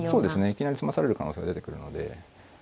いきなり詰まされる可能性が出てくるので。